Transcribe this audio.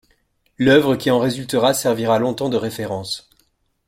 L'œuvre qui en résultera servira longtemps de référence.